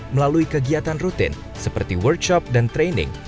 melalui kegiatan rutin seperti workshop dan training